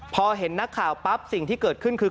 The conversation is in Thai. พอเห็นนักข่าวปั๊บสิ่งที่เกิดขึ้นคือ